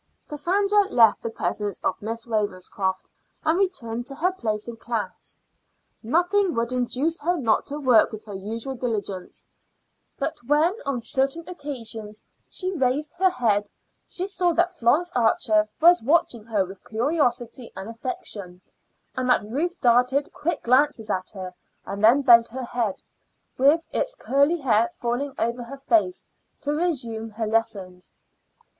Cassandra left the presence of Miss Ravenscroft and returned to her place in class. Nothing would induce her not to work with her usual diligence, but when on certain occasions she raised her head she saw that Florence Archer was watching her with curiosity and affection, and that Ruth darted quick glances at her and then bent her head, with its curly hair falling over her face, to resume her lessons.